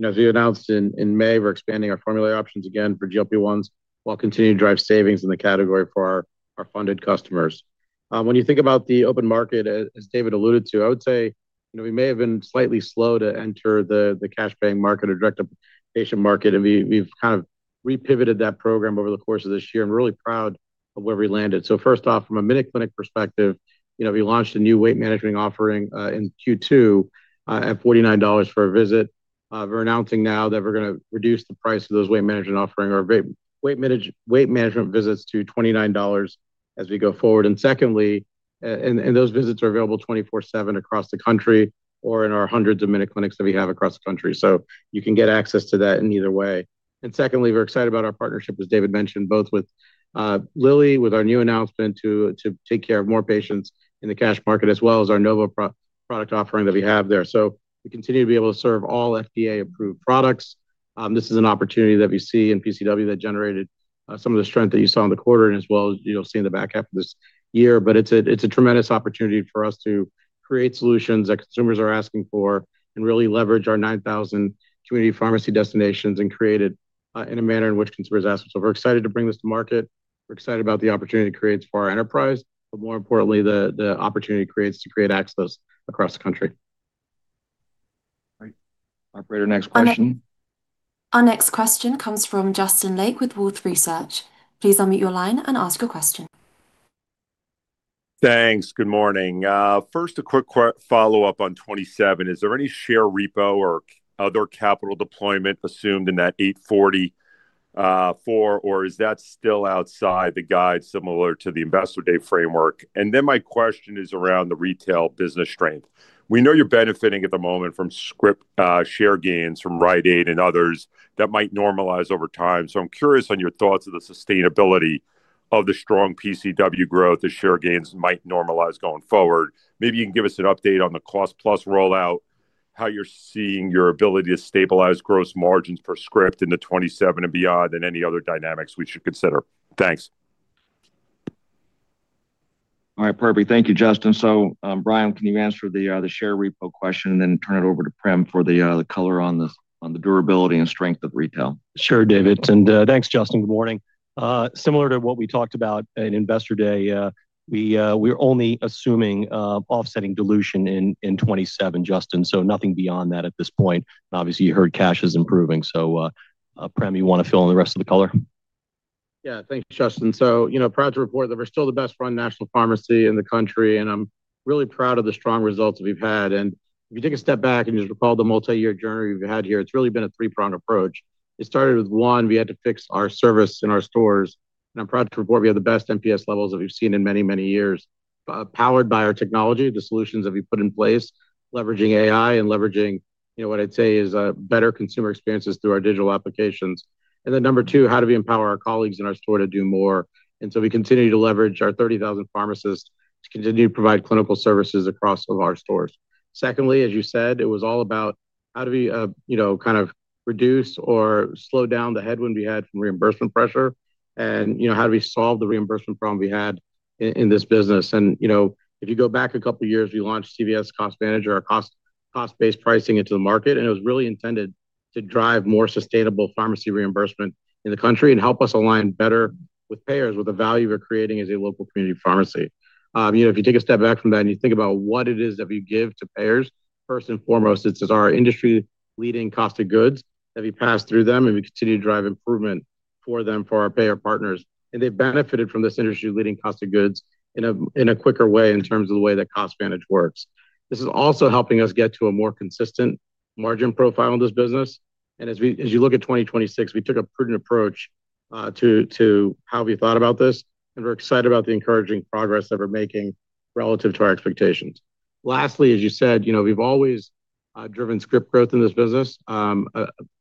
As we announced in May, we're expanding our formulary options again for GLP-1s while continuing to drive savings in the category for our funded customers. When you think about the open market, as David alluded to, I would say, we may have been slightly slow to enter the cash paying market or direct-to-patient market, we've kind of repivoted that program over the course of this year, and we're really proud of where we landed. First off, from a MinuteClinic perspective, we launched a new weight management offering in Q2 at $49 for a visit. We're announcing now that we're going to reduce the price of those weight management visits to $29 as we go forward. Those visits are available 24/7 across the country or in our hundreds of MinuteClinics that we have across the country. You can get access to that in either way. Secondly, we're excited about our partnership, as David mentioned, both with Lilly, with our new announcement to take care of more patients in the cash market as well as our Novo product offering that we have there. We continue to be able to serve all FDA-approved products. This is an opportunity that we see in PCW that generated some of the strength that you saw in the quarter and as well as you'll see in the back half of this year. It's a tremendous opportunity for us to create solutions that consumers are asking for and really leverage our 9,000 community pharmacy destinations and create it in a manner in which consumers ask for. We're excited to bring this to market. We're excited about the opportunity it creates for our enterprise, but more importantly, the opportunity it creates to create access across the country. All right. Operator, next question. Our next question comes from Justin Lake with Wolfe Research. Please unmute your line and ask your question. Thanks. Good morning. First, a quick follow-up on 2027. Is there any share repo or other capital deployment assumed in that 844, or is that still outside the guide similar to the Investor Day framework? My question is around the retail business strength. We know you're benefiting at the moment from share gains from Rite Aid and others that might normalize over time. I'm curious on your thoughts of the sustainability of the strong PCW growth, the share gains might normalize going forward. Maybe you can give us an update on the cost-plus rollout, how you're seeing your ability to stabilize gross margins per script into 2027 and beyond, and any other dynamics we should consider? Thanks. All right, perfect. Thank you, Justin. Brian, can you answer the share repo question and then turn it over to Prem for the color on the durability and strength of retail? Sure, David. Thanks, Justin. Good morning. Similar to what we talked about in Investor Day, we're only assuming offsetting dilution in 2027, Justin. Nothing beyond that at this point. Obviously you heard cash is improving. Prem, you want to fill in the rest of the color? Yeah. Thanks, Justin. Proud to report that we're still the best run national pharmacy in the country, and I'm really proud of the strong results that we've had. If you take a step back and just recall the multi-year journey we've had here, it's really been a three-pronged approach. It started with, one, we had to fix our service in our stores, and I'm proud to report we have the best NPS levels that we've seen in many, many years, powered by our technology, the solutions that we put in place, leveraging AI and leveraging what I'd say is better consumer experiences through our digital applications. Number two, how do we empower our colleagues in our store to do more? We continue to leverage our 30,000 pharmacists to continue to provide clinical services across all of our stores. Secondly, as you said, it was all about how do we kind of reduce or slow down the headwind we had from reimbursement pressure and how do we solve the reimbursement problem we had in this business. If you go back two years, we launched CVS CostVantage, our cost-based pricing into the market, and it was really intended to drive more sustainable pharmacy reimbursement in the country and help us align better with payers with the value we're creating as a local community pharmacy. If you take a step back from that and you think about what it is that we give to payers, first and foremost, it's our industry-leading cost of goods that we pass through them, and we continue to drive improvement for them, for our payer partners. They've benefited from this industry-leading cost of goods in a quicker way in terms of the way that cost management works. This is also helping us get to a more consistent margin profile in this business. As you look at 2026, we took a prudent approach to how we thought about this, and we're excited about the encouraging progress that we're making relative to our expectations. Lastly, as you said, we've always driven script growth in this business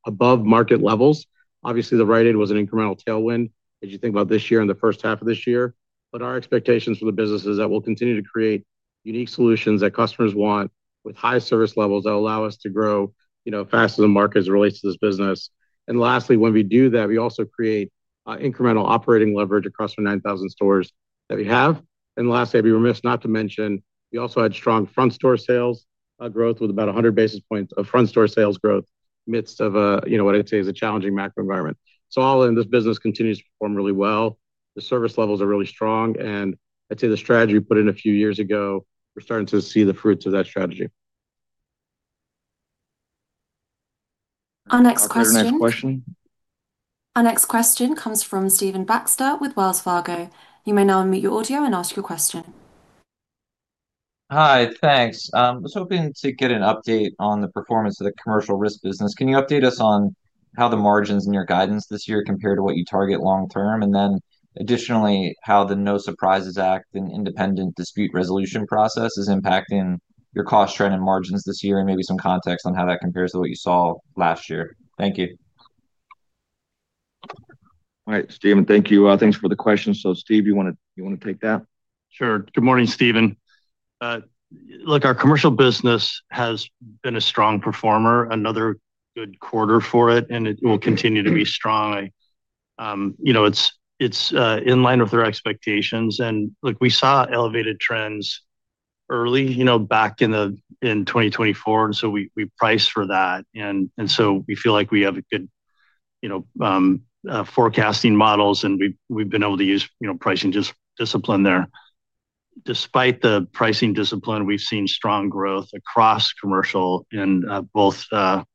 above market levels. Obviously, Rite Aid was an incremental tailwind as you think about this year and the first half of this year. Our expectations for the business is that we'll continue to create unique solutions that customers want with high service levels that allow us to grow faster than market as it relates to this business. Lastly, when we do that, we also create incremental operating leverage across the 9,000 stores that we have. Lastly, I'd be remiss not to mention we also had strong front-store sales growth with about 100 basis points of front-store sales growth midst of what I'd say is a challenging macro environment. All in this business continues to perform really well. The service levels are really strong, and I'd say the strategy we put in a few years ago, we're starting to see the fruits of that strategy. Our next question- Our next question Our next question comes from Stephen Baxter with Wells Fargo. You may now unmute your audio and ask your question. Hi. Thanks. I was hoping to get an update on the performance of the commercial risk business. Can you update us on how the margins in your guidance this year compare to what you target long term? Additionally, how the No Surprises Act and independent dispute resolution process is impacting your cost trend and margins this year, and maybe some context on how that compares to what you saw last year? Thank you. All right, Stephen. Thank you. Thanks for the question. Steve, you want to take that? Sure. Good morning, Stephen. Look, our commercial business has been a strong performer, another good quarter for it, and it will continue to be strong. It's in line with our expectations. Look, we saw elevated trends early back in 2024, so we priced for that. So we feel like we have good forecasting models, and we've been able to use pricing discipline there. Despite the pricing discipline, we've seen strong growth across commercial in both our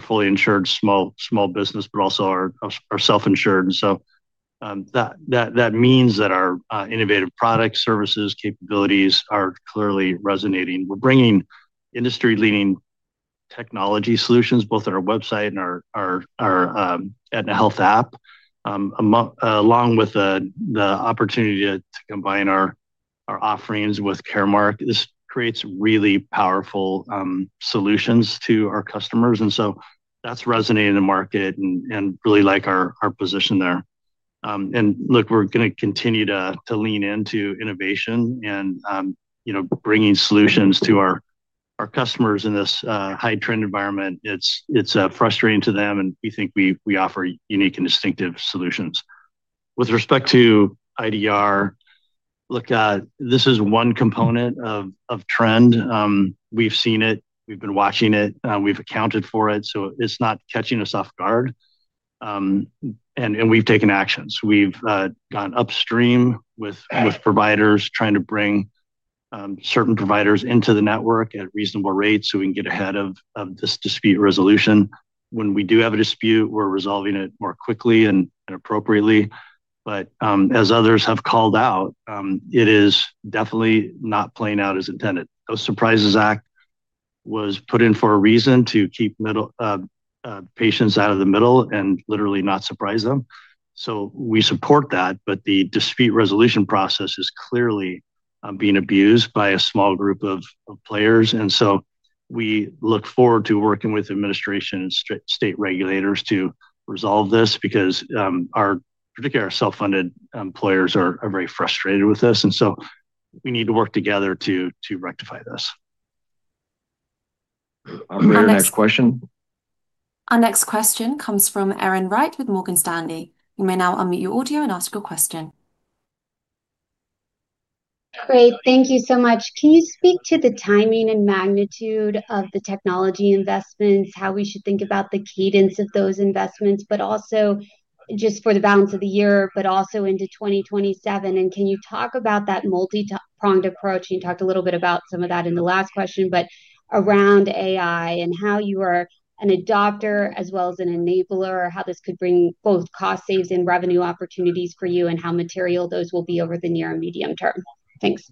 fully insured small business, but also our self-insured. So, that means that our innovative product services capabilities are clearly resonating. We're bringing industry leading technology solutions both on our website and our Aetna Health app, along with the opportunity to combine our offerings with Caremark. This creates really powerful solutions to our customers. So that's resonated in the market and really like our position there. Look, we're going to continue to lean into innovation and bringing solutions to our customers in this high trend environment. It's frustrating to them, and we think we offer unique and distinctive solutions. With respect to IDR, look, this is one component of trend. We've seen it, we've been watching it, we've accounted for it, so it's not catching us off guard. We've taken actions. We've gone upstream with providers trying to bring certain providers into the network at reasonable rates so we can get ahead of this dispute resolution. When we do have a dispute, we're resolving it more quickly and appropriately. As others have called out, it is definitely not playing out as intended. No Surprises Act was put in for a reason to keep patients out of the middle and literally not surprise them. We support that, but the dispute resolution process is clearly being abused by a small group of players. So We look forward to working with administration and state regulators to resolve this because, particularly our self-funded employers are very frustrated with this. So we need to work together to rectify this. Our next question. Our next question comes from Erin Wright with Morgan Stanley. You may now unmute your audio and ask your question. Great. Thank you so much. Can you speak to the timing and magnitude of the technology investments, how we should think about the cadence of those investments, but also just for the balance of the year, but also into 2027? Can you talk about that multi-pronged approach? You talked a little bit about some of that in the last question, but around AI and how you are an adopter as well as an enabler, how this could bring both cost saves and revenue opportunities for you, and how material those will be over the near and medium term. Thanks.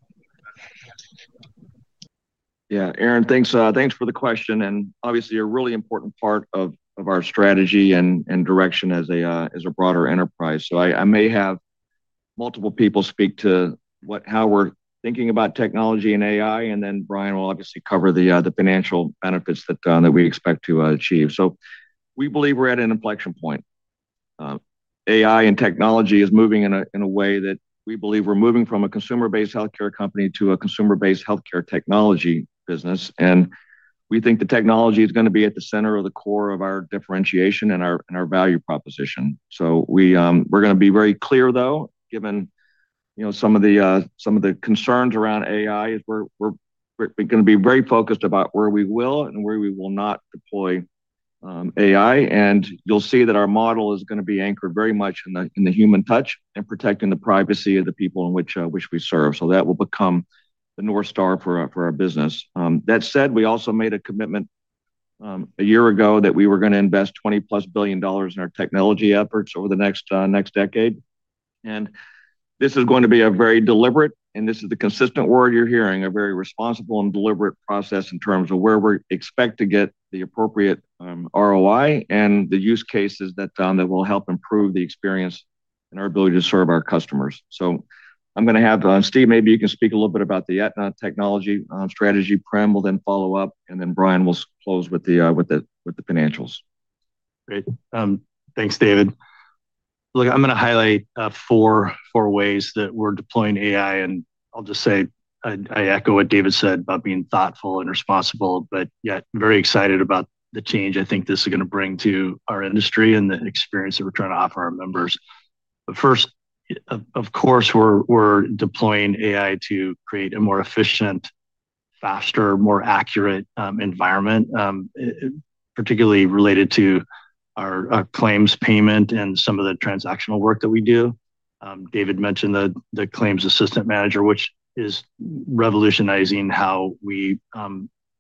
Yeah. Erin, thanks for the question. Obviously a really important part of our strategy and direction as a broader enterprise. I may have multiple people speak to how we're thinking about technology and AI. Then Brian will obviously cover the financial benefits that we expect to achieve. We believe we're at an inflection point. AI and technology is moving in a way that we believe we're moving from a consumer-based healthcare company to a consumer-based healthcare technology business, and we think the technology is going to be at the center of the core of our differentiation and our value proposition. We're going to be very clear, though, given some of the concerns around AI, we're going to be very focused about where we will and where we will not deploy AI. You'll see that our model is going to be anchored very much in the human touch and protecting the privacy of the people in which we serve. That will become the North Star for our business. That said, we also made a commitment a year ago that we were going to invest $20 billion+ in our technology efforts over the next decade. This is going to be a very deliberate, and this is the consistent word you're hearing, a very responsible and deliberate process in terms of where we expect to get the appropriate ROI and the use cases that will help improve the experience and our ability to serve our customers. I'm going to have Steve, maybe you can speak a little bit about the Aetna technology strategy. Prem will follow up. Brian will close with the financials. Thanks, David. I'm going to highlight four ways that we're deploying AI. I'll just say I echo what David said about being thoughtful and responsible, yet very excited about the change I think this is going to bring to our industry and the experience that we're trying to offer our members. First, of course, we're deploying AI to create a more efficient, faster, more accurate environment, particularly related to our claims payment and some of the transactional work that we do. David mentioned the Claims Assist Manager, which is revolutionizing how we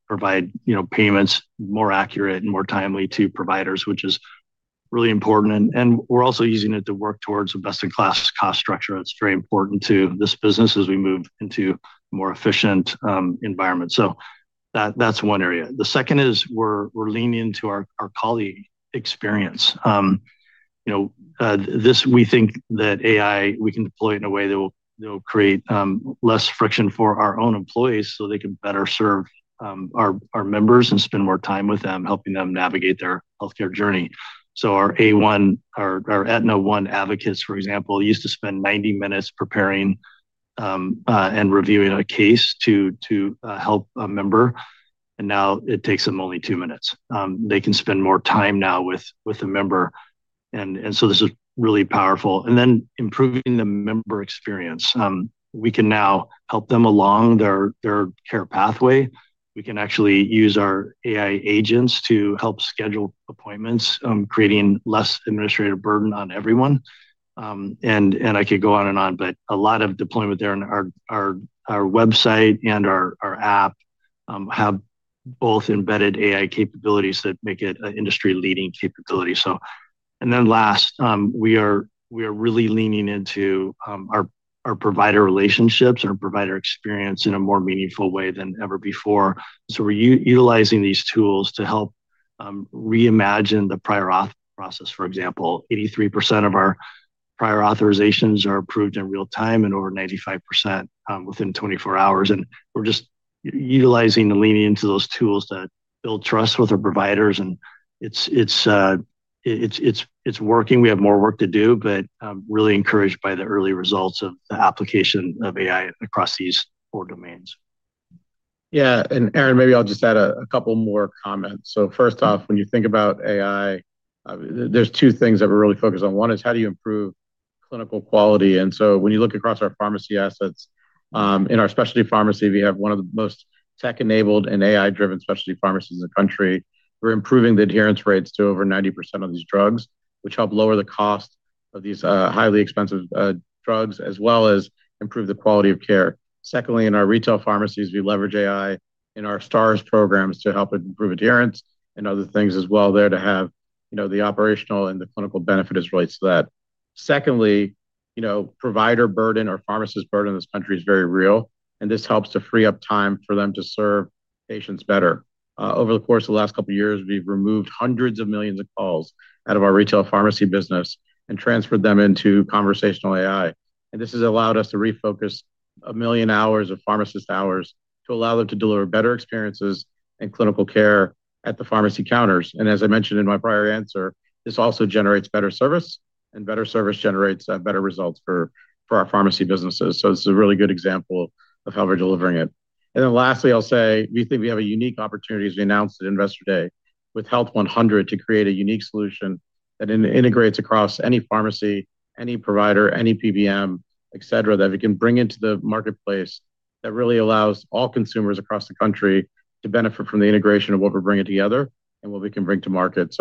provide payments more accurate and more timely to providers, which is really important. We're also using it to work towards a best-in-class cost structure that's very important to this business as we move into more efficient environments. That's one area. The second is we're leaning into our colleague experience. We think that AI, we can deploy it in a way that will create less friction for our own employees so they can better serve our members and spend more time with them, helping them navigate their healthcare journey. Our Aetna One Advocate, for example, used to spend 90 minutes preparing and reviewing a case to help a member. Now it takes them only two minutes. They can spend more time now with the member. This is really powerful. Improving the member experience. We can now help them along their care pathway. We can actually use our AI agents to help schedule appointments, creating less administrative burden on everyone. I could go on and on, a lot of deployment there in our website and our app have both embedded AI capabilities that make it an industry-leading capability. Last, we are really leaning into our provider relationships and our provider experience in a more meaningful way than ever before. We're utilizing these tools to help reimagine the prior auth process. For example, 83% of our prior authorizations are approved in real time and over 95% within 24 hours. We're just utilizing and leaning into those tools that build trust with our providers, and it's working. We have more work to do. I'm really encouraged by the early results of the application of AI across these four domains. Yeah. Erin, maybe I'll just add a couple more comments. First off, when you think about AI, there's two things that we're really focused on. One is how do you improve clinical quality? When you look across our pharmacy assets, in our specialty pharmacy, we have one of the most tech-enabled and AI-driven specialty pharmacies in the country. We're improving the adherence rates to over 90% of these drugs, which help lower the cost of these highly expensive drugs, as well as improve the quality of care. Secondly, in our retail pharmacies, we leverage AI in our STARS programs to help improve adherence and other things as well there to have the operational and the clinical benefit as relates to that. Secondly, provider burden or pharmacist burden in this country is very real. This helps to free up time for them to serve patients better. Over the course of the last couple of years, we've removed hundreds of millions of calls out of our retail pharmacy business and transferred them into conversational AI. This has allowed us to refocus 1 million hours of pharmacist hours to allow them to deliver better experiences and clinical care at the pharmacy counters. As I mentioned in my prior answer, this also generates better service, and better service generates better results for our pharmacy businesses. This is a really good example of how we're delivering it. Lastly, I'll say, we think we have a unique opportunity, as we announced at Investor Day, with Health 100 to create a unique solution that integrates across any pharmacy, any provider, any PBM, et cetera, that we can bring into the marketplace, that really allows all consumers across the country to benefit from the integration of what we're bringing together and what we can bring to market.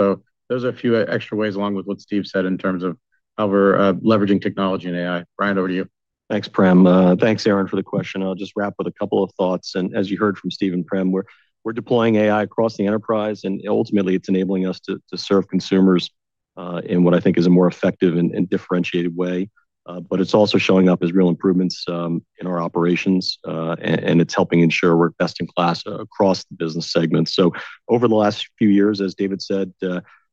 Those are a few extra ways along with what Steve said in terms of how we're leveraging technology and AI. Brian, over to you. Thanks, Prem. Thanks, Erin, for the question. I'll just wrap with a couple of thoughts. As you heard from Steve and Prem, we're deploying AI across the enterprise and ultimately it's enabling us to serve consumers, in what I think is a more effective and differentiated way. It's also showing up as real improvements in our operations. It's helping ensure we're best in class across the business segments. Over the last few years, as David said,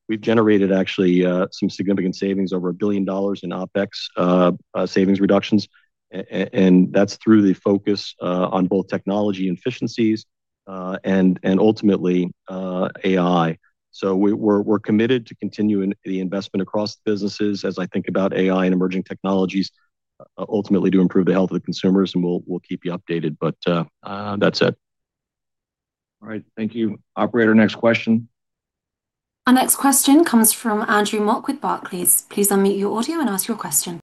we've generated actually some significant savings, over $1 billion in OPEX savings reductions. That's through the focus on both technology efficiencies, and ultimately, AI. We're committed to continuing the investment across businesses as I think about AI and emerging technologies, ultimately to improve the health of consumers, and we'll keep you updated. That's it. All right. Thank you. Operator, next question. Our next question comes from Andrew Mok with Barclays. Please unmute your audio and ask your question.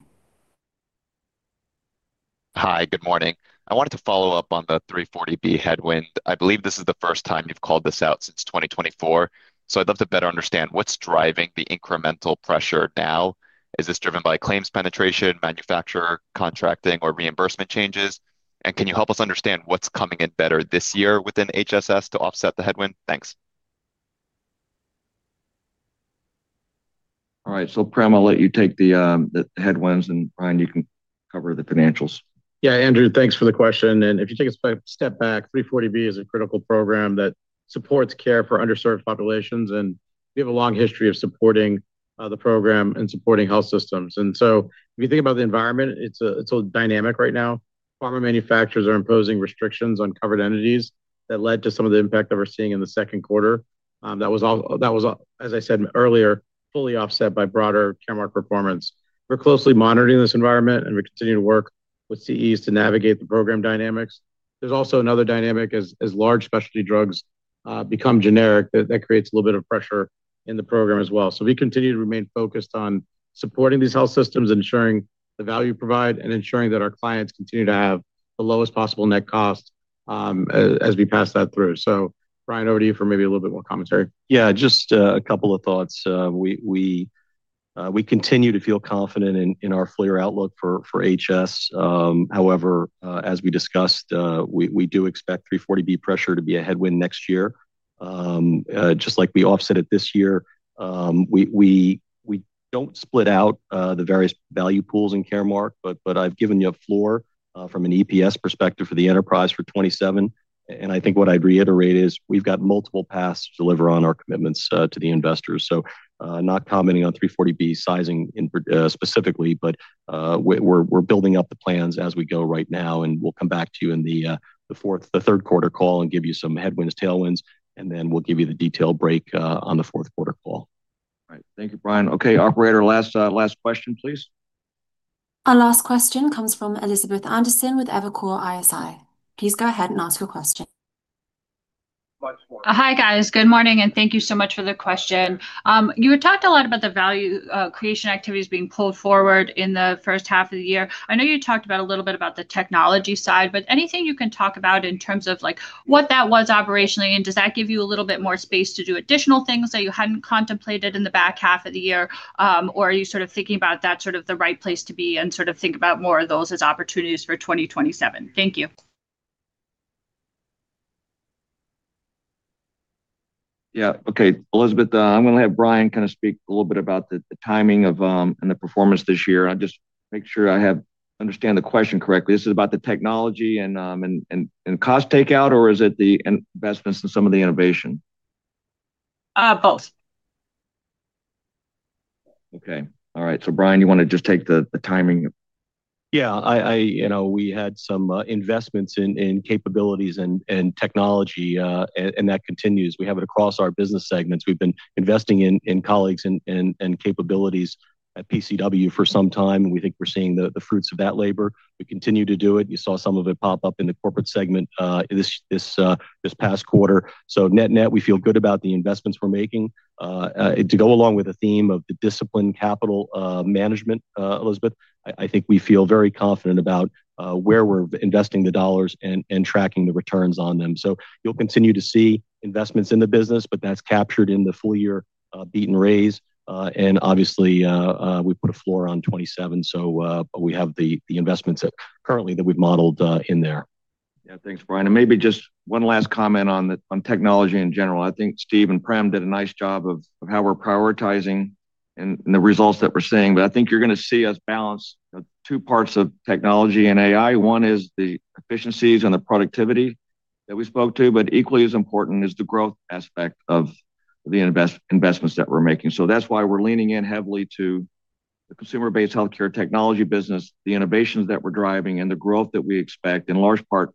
Hi, good morning. I wanted to follow up on the 340B headwind. I believe this is the first time you've called this out since 2024. I'd love to better understand what's driving the incremental pressure now. Is this driven by claims penetration, manufacturer contracting, or reimbursement changes? Can you help us understand what's coming in better this year within HSS to offset the headwind? Thanks. All right. Prem, I'll let you take the headwinds, Brian, you can cover the financials. Andrew, thanks for the question, if you take a step back, 340B is a critical program that supports care for underserved populations, and we have a long history of supporting the program and supporting health systems. If you think about the environment, it's all dynamic right now. Pharma manufacturers are imposing restrictions on Covered Entities that led to some of the impact that we're seeing in the second quarter, that was, as I said earlier, fully offset by broader Caremark performance. We're closely monitoring this environment, and we're continuing to work with CEs to navigate the program dynamics. There's also another dynamic as large specialty drugs become generic, that creates a little bit of pressure in the program as well. We continue to remain focused on supporting these health systems, ensuring the value we provide, and ensuring that our clients continue to have the lowest possible net cost as we pass that through. Brian, over to you for maybe a little bit more commentary. Just a couple of thoughts. We continue to feel confident in our full year outlook for HS. However, as we discussed, we do expect 340B pressure to be a headwind next year. Just like we offset it this year. We don't split out the various value pools in Caremark, but I've given you a floor from an EPS perspective for the enterprise for 2027, I think what I'd reiterate is we've got multiple paths to deliver on our commitments to the investors. Not commenting on 340B sizing specifically, but we're building up the plans as we go right now, and we'll come back to you in the third quarter call and give you some headwinds, tailwinds, and then we'll give you the detailed break on the fourth quarter call. Thank you, Brian. Operator, last question, please. Our last question comes from Elizabeth Anderson with Evercore ISI. Please go ahead and ask your question. Hi, guys. Good morning, and thank you so much for the question. You had talked a lot about the value creation activities being pulled forward in the first half of the year. I know you talked a little bit about the technology side, but anything you can talk about in terms of what that was operationally, and does that give you a little bit more space to do additional things that you hadn't contemplated in the back half of the year? Are you sort of thinking about that sort of the right place to be and sort of think about more of those as opportunities for 2027? Thank you. Elizabeth, I'm going to have Brian kind of speak a little bit about the timing and the performance this year. I just make sure I understand the question correctly. This is about the technology and cost takeout, or is it the investments in some of the innovation? Both. Okay. All right. Brian, you want to just take the timing? Yeah. We had some investments in capabilities and technology, and that continues. We have it across our business segments. We've been investing in colleagues and capabilities at PCW for some time, and we think we're seeing the fruits of that labor. We continue to do it. You saw some of it pop up in the corporate segment this past quarter. Net-net, we feel good about the investments we're making. To go along with the theme of the disciplined capital management, Elizabeth, I think we feel very confident about where we're investing the dollars and tracking the returns on them. You'll continue to see investments in the business, but that's captured in the full year beat and raise. Obviously, we put a floor on '27, but we have the investments currently that we've modeled in there. Yeah. Thanks, Brian. Maybe just one last comment on technology in general. I think Steve and Prem did a nice job of how we're prioritizing and the results that we're seeing, but I think you're going to see us balance two parts of technology and AI. One is the efficiencies and the productivity that we spoke to, but equally as important is the growth aspect of the investments that we're making. That's why we're leaning in heavily to the consumer-based healthcare technology business, the innovations that we're driving, and the growth that we expect, in large part,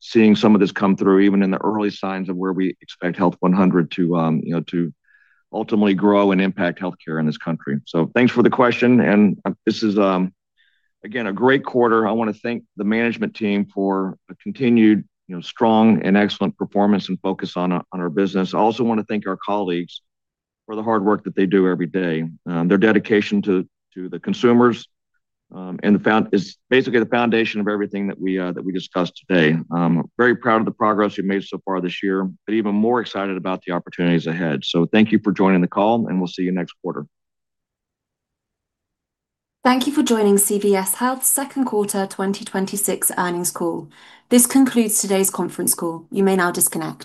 seeing some of this come through even in the early signs of where we expect Health 100 to ultimately grow and impact healthcare in this country. Thanks for the question, and this is, again, a great quarter. I want to thank the management team for a continued strong and excellent performance and focus on our business. I also want to thank our colleagues for the hard work that they do every day. Their dedication to the consumers is basically the foundation of everything that we discussed today. I'm very proud of the progress we've made so far this year, but even more excited about the opportunities ahead. Thank you for joining the call, and we'll see you next quarter. Thank you for joining CVS Health second quarter 2026 earnings call. This concludes today's conference call. You may now disconnect.